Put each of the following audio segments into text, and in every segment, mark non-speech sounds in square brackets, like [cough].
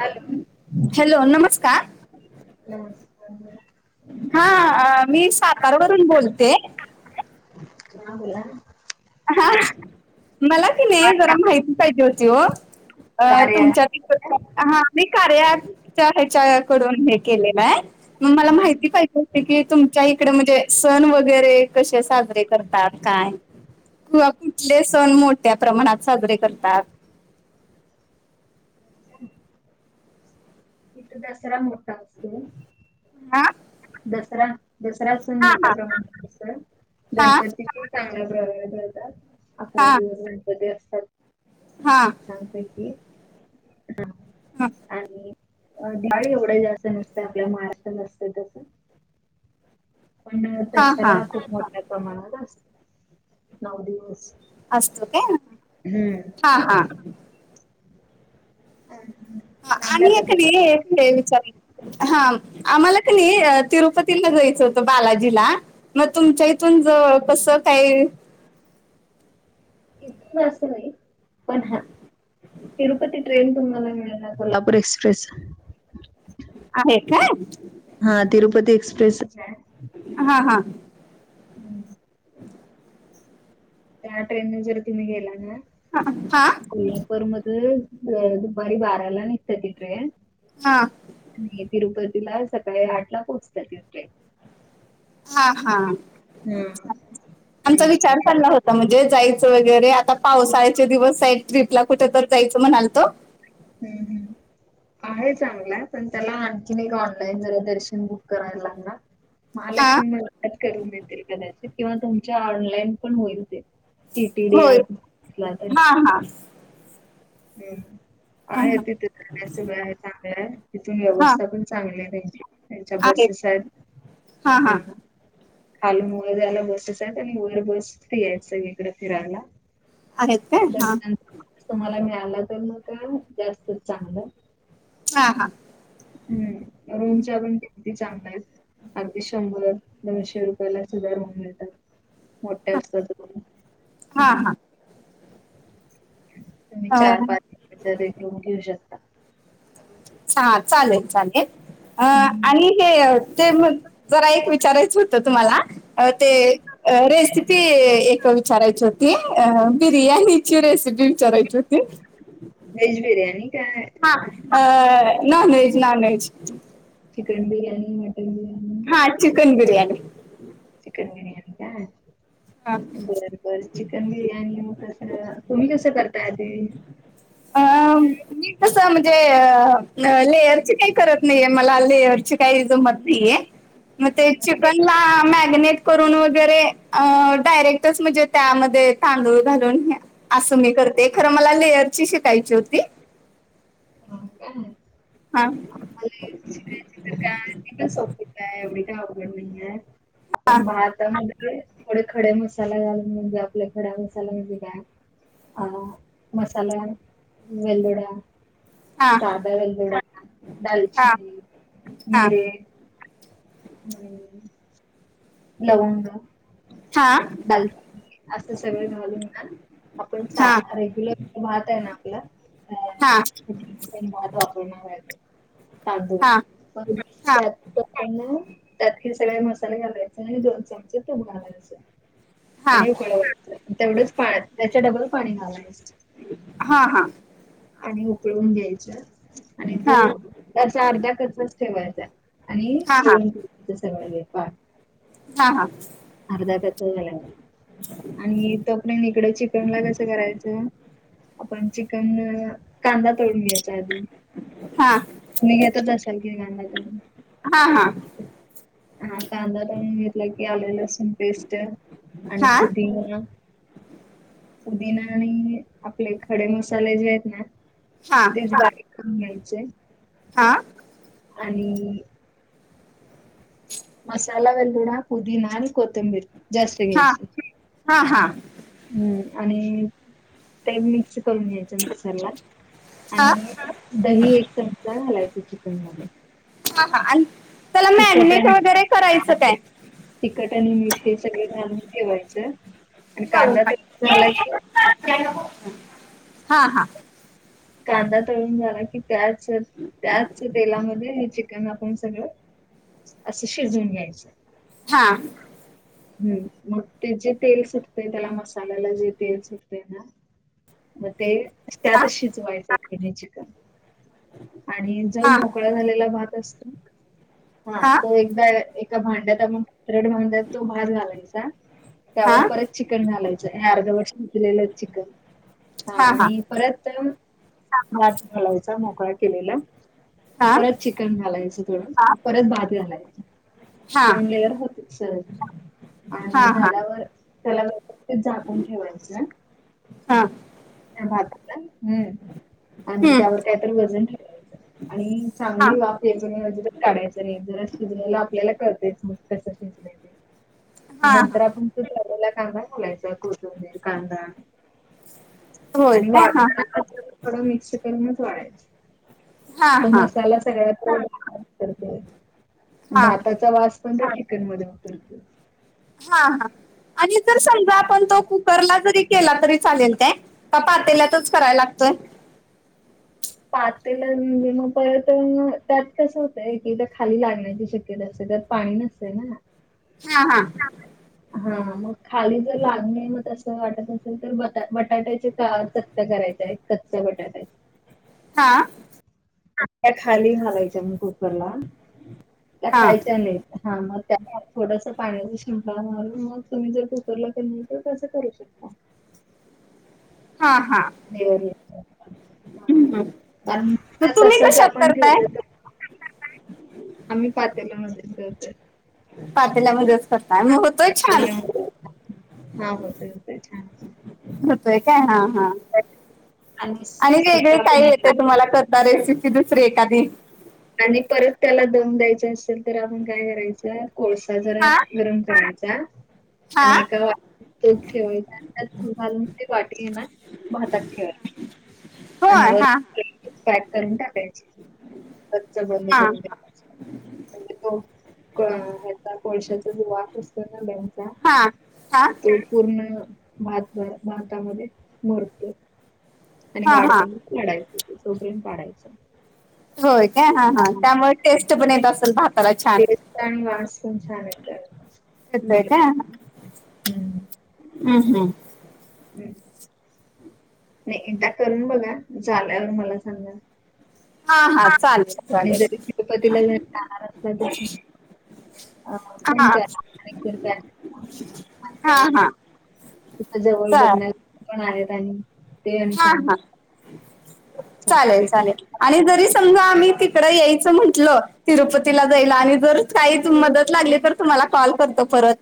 Hello. Hello, नमस्कार. नमस्कार. हा, मी सातारवरून बोलते. हा बोला. हा मला कि नाही जरा माहिती पाहिजे होती हो. अ कार्या तुमच्या तीक हा मी कार्याच्या ॲपच्या ह्याच्याकडून हे केलेलं आहे. मग मला हा माहिती पाहि जसं की तुमच्या इकडे म्हणजे सण वगैरे कसे साजरे करतात काय? किंवा कुठले सण मोठ्या प्रमाणात साजरे करतात? [inaudible] इथं दसरा मो आ? दसरा दसरा सण मोठ्या प्रमाणा [unintelligible] हा गणपतीचे चांगल्या प्रकारे करतात, ‌अकरा दिवस गणपती असतात. हां. सांगतो की हा. हा. आणि डाळी एवढंही जास्त नसतंय आपल्या [unintelligible] नसतंय तसं. पण हा हा दसऱ्या खूप मोठ्या प्रमाणात असत नऊ दिवस. असतंय काय? हम्म हा हा. [unintelligible] हा आणि हाय क पद्धती नाही [unintelligible] विचारी. हा आम्हाला का नाही तिरुपतीला जायचं होतं बालाजीला. म तुमच्या इथून जवळ कसं काय इथून असं नाही पण हा. तिरूपती ट्रेन तुम्हाला मिळणार कोल्हापूर एक्सप्रेस आहे का? हा तिरुपती एक्सप्रेस हां हां. हम्म. त्या ट्रेन ने जरी तुम्ही गेला ना ह हा. कोल्हापूर मधून अ दुपारी बाराला निघत्या ती ट्रेन. हा. आणि हे तिरुपतीला सकाळी आठला पोहोचतं त्या ट्रेन. हा हा हा [unintelligible] आमचा आणि विचार चालला हम्म, होत त म्हणजे जायचं वगैरे आता पावसाळ्याचे दिवस आहेत ट्रीप ला कुठ तर जायचं म्हणालतो. [inaudible] हम्म. [unintelligible] आहे चांगला आहे पण त्याला आणखीन एक ऑनलाईन जरा दर्शन बुक करायला लागणार. हा महालक्ष्मी मोफत करून देतील कदाचित किंवा तुमच्या ऑनलाईन पण होईल ते. टी टी डे होय आत [inaudible] तर हा हा. हम्म हा आहे तिथे [inaudible] वय आहे चांगला आहे तिथून हा हा व्यवस्था पण चांगलेे त्यांच्या [unintelligible] बसेस आहेत हा. खालून वगैरे जायला बसेस आहे आणि मुलं बस्ती आहे सगळीकडें फिरायला. आहेत काय हा दरम्यान तुम्हाला मिळाला तर मग काय जास्तच चांगलं [unintelligible] हा हा. हम्म रूमच्या. [unintelligible] किती चांगले आहेत अगदी शंभर दोनशे रुपयाला सुधा रुम मिळतात. मोठ हा असतात बग हा हम्म. हा तुम्ही चार हा पाच दिवस रूम घेऊ शकता. चहा चालेल चालेल अ हम्म. आणि हे ते म जरा एक विचारायचं होतं तुम्हाला. अ ते अ रेसिपी एक विचारायची होती. ते अ बिर्याणीची रेसिपी विचारायची होती. वेज बिर्याणी काय ह अ non veg non veg. Chicken biryani mutton biryani हा चिकन बिर्याणी. चिकन बिर्याणी काय हा बर बर चिकन बिर्य आणि मग कसं तुम्ही कसं करताय आधी? अ मी कसं म्हणजे अ लेयरची काही करत नाहीये मला लेअर ची काही जमत नाही आहे म ते हो चिकन ला मॅगनेट करून वगैरे अ डायरेक्टच म्हणजे त्यामध्ये तांदूळ घालून असं मी करते खरं मला लेअरची शिकायची होती. [unintelligible] हो का? हां. आम्हाला शिकायची काय सोप काय एवढी काय आवड नाहीय हा पण भात [unintelligible] थोडे खडे मसाले घालून म्हणजे आपल्या खड्या मसाला म्हणजे काय अ मसाल्या वेलदोडया हा साधा वेलदोडा हा दालचिनी हा मीरे हम्म. लवंग. हा दाल असं सगळं घालून. आपण हा सा हा रेग्युलर भात आहे ना आपला अ. हा [unintelligible] त्यात हे सगळे मसाले घालायचे, आणि दोन चमचे तूप घालायचं. हा हा हा आणि उकळवायचं, तेवढंच त्याच्या डबल पाणी घालायच. हा हा. आणि उकळून घ्यायचं आणि हा हा हा तो, त्याचा अर्ध्या कचा ठेवायचा. आणि वेळून सगळं हे हा [unintelligible] झा आणि तोपर्यंत ईकडं चिकणला कसं करायचं? आपण चिकन कांदा तळून घ्यायच. हा हा हा घेतच असेल की [unintelligible] हा हा हा कांदा तळून घेतला की आले लसूण पेस्ट आणि पुदिना. पुदिना आणि, आपले खडे मसाले जे आहेत ना. हा तेच बारीक करून घ्यायचे. हा. आणि [inaudible] आलं कडोदा पुदीना आणि कोथिंबीर जास्त हा घ्यायची. हा हा हम्म आणि ते मिक्स करून घ्याय मिक्सरला हा आणि दही एक चमचा घालायचं चिकनला. हा हा आणि त्याला तिखट मॅननेट आणि वगैरे करायचं काय? तिखट आणि मीठ हे सगळं घालून ठेवायचं आणि कांदा तरी झालाय की. हा हा. कांदा तळून झाला की, त्यांच त्याचं तेलामध्ये हे चिकन आपण सगळं, असं शिजून घ्यायचं. हां.. हम्म मग ते जे तेल सुटते त्याला मसाल्याला जे तेल सुटते ना. मग ते त्यात हा शिजवायच हे चिकन. आणि जो हा मोकळा झालेला भात असतो. हा तो एकदा एका भांड्यात आपण फ्रेड भांड्यात तो भात घालायचा. त्यावर परत चिकन घालायचं, हे अर्धवट शिजलेलं चिकन हा आणि. परत साधा भात घालायचा, मोकळा केलेला परत चिकन घालायचं थोडं परत भात घालायचं, हा दोन लेअर होतेत सहज हा हा आणि झाल्यावर त्याला व्यवस्थित झाकून ठेवायचं. हा भाताला हं.. आणि हम्म त्यावर कायतरी वजन ठेवायचं. आणि हा चांगली वाफ याच नाही म्हजे काढायचं नाही जरा शिजलेला आपल्याला कळतेच मग कस ते. [inaudible] हा हा नंतर आपण तळलेला कांदा घालायचा, कोथिंबीर कांदा. होय आणि काय हा हा वाढताना थोडं मिक्स करूनच वाढायचं. हा तो हा मसाला सगळ्यात हा भाताच. तो वास पण काय चिकन मध्ये उतरतो. हा हा आणि जर समजा आपण तो कुकरला जरी केला तरी चालेल काय? का पातेल्यातच कराय लागतोय? पातेला म्हणजे मग परत त्यात कसं होतय कि त्या खाली लागण्याची शक्यता असे तर. पाणी नसतंय ना. हा हा. [inaudible] हा मग खाली जर लागणे मग तसं वाटत असेल तर बट बटाट्याचे ता चल करायचाय कच बटाट्याचं हा.. त्या खाली घालायच्या मग कुकरला, त्या हा खायच्या नाहीत. हा मग त्यावर थोडस पाणीवर शिंकतोड मारून मग तुम्ही जर कुकरला केलं तर तसं कर [inaudible] हा हा मग कारण तुम्ही तसच कशात आपण करताय ठेवलं तर आम्ही पातेल मध्येच दळतोय. पातेल्यामध्येच कसं काय म होतोय छान त्याच्यामुळे हा होतय होतय छान होतय. होतय काय हा हा आणि वेगळे सुट्टा पण काही होतो. येतय तुम्हाला कर का रेसिपी दुसरी एखादी?. आणि परत त्याला दम द्यायच असेल तर आपण काय करायचं. कोळसा जरा हा गरम करायचा. हा आणि एका वाटीत तूप ठेवून [unintelligible] घालून ते वाटी हे ना भातात ठेवायची. आणि होय वर हा पॅक करून टाकायचे कच्च बंद हा करून म्हणजे तो हयाचा को कोळशाचा [unintelligible] असतो ना द्यायचा. हा. हा. तो पूर्ण भात भातामध्ये मुरतोय. आणि हा हा वाढत वाढायचं हो सोप पाडायचं. होय काय? हा हा त्यामुळे टेस्ट पण येत असलं भा करा छान टेस्ट आणि वास पण छान येतात येतय काय? हम्म. हम्म. हम्. हम्. हम्म. नाही एकदा करून बघा झाल्यावर मला सांगा. हा हा चालेल आणि चालेल जरी तिरुपतीला जरी जाणार असला तरी पण अ फोन हा करा [unintelligible] हा हा त्यावेळेस ति जवळ चालेल बघण्या पण आले आणि ते आणि हा सांगच हा चालेल चालेल. आणि जरी समजा आम्ही तिकडं यायचं म्हटलं, तिरुपतीला जायला आणि जर काहीच मदत लागली तर तुम्हाला कॉल करतो परत.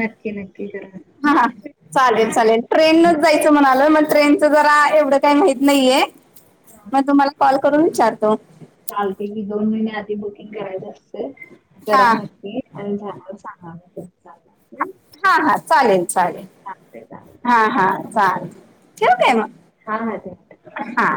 नक्की नक हा. हा. चालेल. चालेल. ट्रेननच जायचं म्हणालोय मग ट्रेनचं जरा एवढं काही माहत नाहीये. हा. मग तुम्हाला कॉल करून विचारतो. चालते की दोन महिने आधी बुकिंग करायच असते हा करा म्हणते. आणि झाल्यावर सांगा चालंतय हंम. हा. हा. चालेल. चालेल. चालतंय. हा. हा. चालेल ठेव का? हं. मग हा. ह. ठेव. हा.